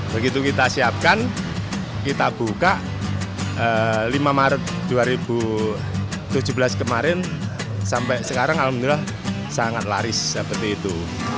begitu kita siapkan kita buka lima maret dua ribu tujuh belas kemarin sampai sekarang alhamdulillah sangat laris seperti itu